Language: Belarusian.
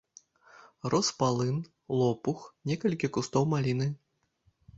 Рос палын, лопух, некалькі кусткоў маліны.